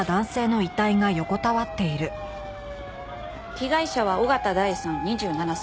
被害者は緒方大さん２７歳。